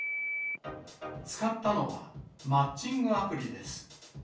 使ったのは、マッチングアプリです。